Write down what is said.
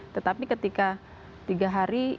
tetapi ketika tiga hari